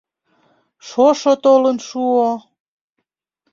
Шошо толын шуо.